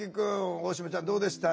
大島ちゃんどうでした？